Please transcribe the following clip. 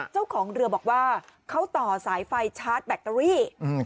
เจ้าของเรือบอกว่าเขาต่อสายไฟชาร์จแบตเตอรี่